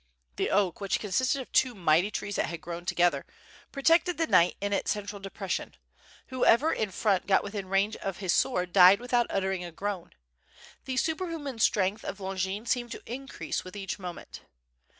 The oak, which consisted of two ^66 WITH FIRE AND SWORD, mighty trees that had grown together, protected the kiiight in its central depression; whoever in front got within ranage of his sword died without uttering a groan. The superhuman strength of Longin seemed to increase with each moment.